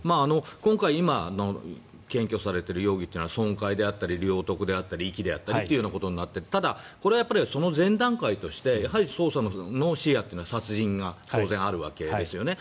今の検挙されている容疑は損壊であったり領得であったり遺棄であったりということになってただ、これはその前段階として捜査の視野というのは殺人が当然あるわけですよね。